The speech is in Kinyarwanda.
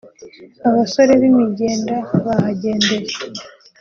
abasore b’imigenda bahagendeye